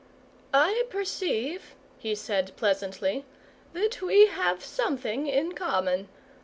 "I perceive," he said pleasantly, "that we have something in common.